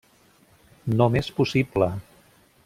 -No m'és possible!